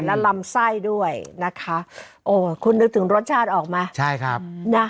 และลำไส้ด้วยนะคะโอ้คุณนึกถึงรสชาติออกมาใช่ครับนะ